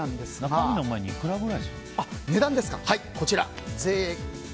中身の前にいくらくらいするの？